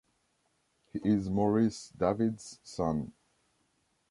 He is Maurice David's son.